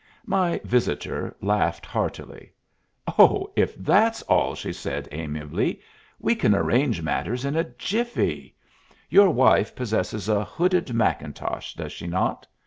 My visitor laughed heartily. "Oh, if that's all," she said, most amiably, "we can arrange matters in a jiffy. Your wife possesses a hooded mackintosh, does she not?